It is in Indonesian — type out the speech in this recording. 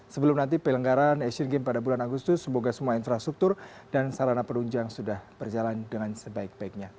sebelum nanti pelenggaran asian games pada bulan agustus semoga semua infrastruktur dan sarana penunjang sudah berjalan dengan sebaik baiknya